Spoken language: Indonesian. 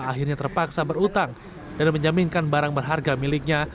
akhirnya terpaksa berutang dan menjaminkan barang berharga miliknya